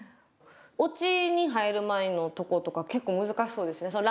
落ちに入る前のとことか結構難しそうですね。